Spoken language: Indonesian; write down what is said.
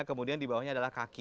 kemudian di bawahnya adalah kaki